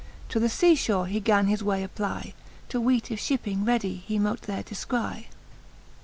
To the lea fhore he gan his way SEpply, To weete if (hipping readie he mote there de{cry.